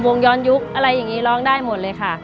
ย้อนยุคอะไรอย่างนี้ร้องได้หมดเลยค่ะ